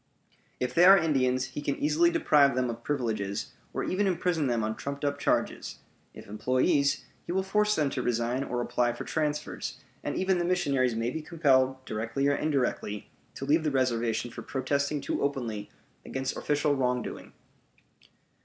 If they are Indians, he can easily deprive them of privileges, or even imprison them on trumped up charges; if employees, he will force them to resign or apply for transfers; and even the missionaries may be compelled, directly or indirectly, to leave the reservation for protesting too openly against official wrongdoing.